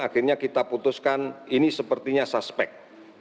akhirnya kita putuskan ini sepertinya suspek